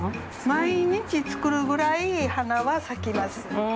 毎日作るぐらい花は咲きます。